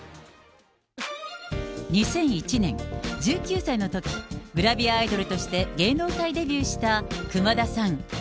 ２００１年、１９歳のとき、グラビアアイドルとして芸能界デビューした熊田さん。